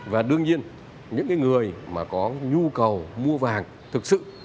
và đương nhiên những người mà có nhu cầu mua vàng thực sự